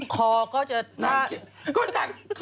คอก็จะถ้า